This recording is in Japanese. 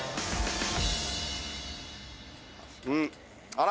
あら。